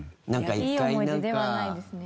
いい思い出ではないですね。